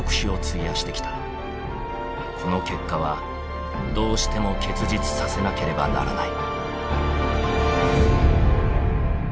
この結果はどうしても結実させなければならない。